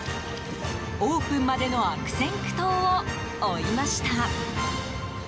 オープンまでの悪戦苦闘を追いました。